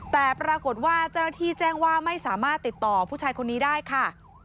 แต่ปรากฏว่าเจ้าหน้าที่แจ้งว่าไม่สามารถติดต่อผู้ชายคนนี้ได้ค่ะ